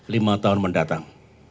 lima tahun mendatang